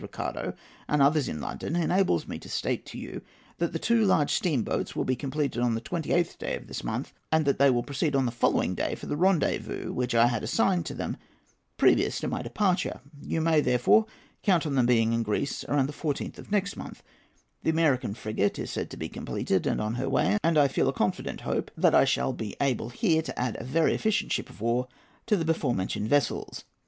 Ricardo and others in London, enables me to state to you that the two large steamboats will be completed on the 28th day of this month, and that they will proceed on the following day for the rendezvous which I had assigned to them previous to my departure. You may, therefore, count on their being in Greece about the 14th of next month. The American frigate is said to be completed and on her way, and I feel a confident hope that I shall be able here to add a very efficient ship of war to the before mentioned vessels.